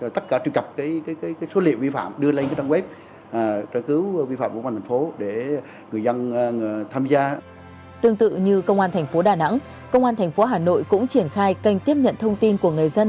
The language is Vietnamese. tương tự như công an tp đà nẵng công an tp hà nội cũng triển khai kênh tiếp nhận thông tin của người dân